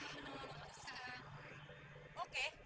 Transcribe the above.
mereka menolongku sekarang